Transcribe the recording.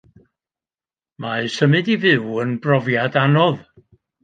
Mae symud i fyw yn brofiad anodd.